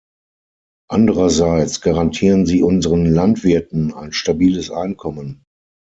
Andererseits garantieren sie unseren Landwirten ein stabiles Einkommen.